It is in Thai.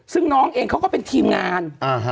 ซึ่งน้องเองเขาก็เป็นทีมงาน